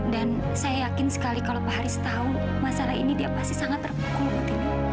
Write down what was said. dan saya yakin sekali kalau pak haris tahu masalah ini dia pasti sangat terpukul bu timi